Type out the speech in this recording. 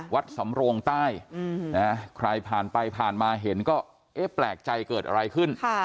วัดสำโรงใต้ใครผ่านไปผ่านมาเห็นก็เอ๊ะแปลกใจเกิดอะไรขึ้น